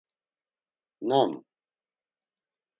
Nam?